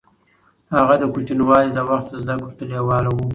هغه د کوچنيوالي له وخته زده کړو ته لېواله و.